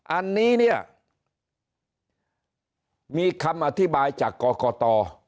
อันนี้เนี่ยมีคำอธิบายจากกรกต